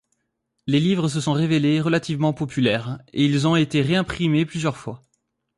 Les livres se sont révélés relativement populaires, et ils ont été réimprimés plusieurs fois.